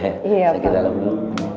saya ke dalam dulu